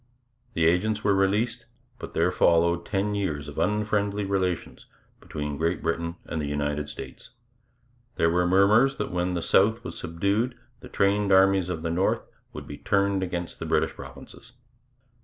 The agents were released, but there followed ten years of unfriendly relations between Great Britain and the United States. There were murmurs that when the South was subdued the trained armies of the North would be turned against the British provinces.